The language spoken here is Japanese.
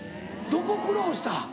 どこ苦労した？